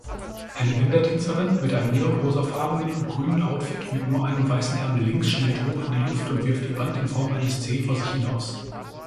Eine Bändertänzerin mit einem neonrosafarbenen und grünen Outfit mit nur einem weißen Ärmel links schnellt hoch in die Luft und wirft ihr Band in Form eines C vor sich hinaus